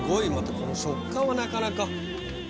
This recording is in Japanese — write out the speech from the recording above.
この食感はなかなか。